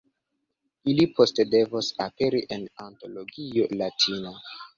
Ili poste devos aperi en Antologio Latina.